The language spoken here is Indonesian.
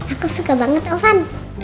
aku suka banget ofan